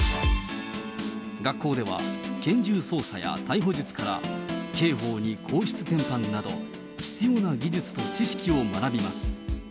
学校では、拳銃操作や逮捕術から、刑法に皇室典範など、必要な技術と知識を学びます。